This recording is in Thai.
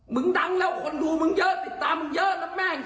มึงดังแล้วคนดูมึงเยอะติดตามมึงเยอะนะแม่